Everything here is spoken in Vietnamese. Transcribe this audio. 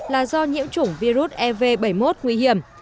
là do nhiễm chủng virus ev bảy mươi một nguy hiểm